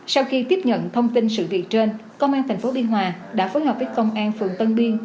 sau khi tiếp nhận thông tin sự việc trên công an thành phố điên hòa đã phối hợp với công an phường tân biên